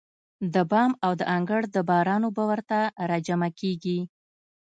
د بام او د انګړ د باران اوبه ورته راجمع کېږي.